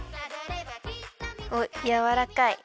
おっやわらかい。